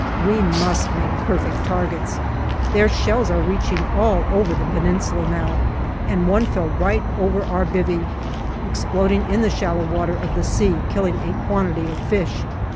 We must make perfect targets. Their shells are reaching all over the Peninsula now, and one fell right over our " bivvy," exploding in the shallow water of the sea, killing a quantity of fish.